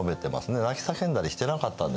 泣き叫んだりしてなかったんですね。